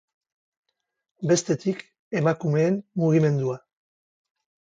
Bestetik, emakumeen mugimendua.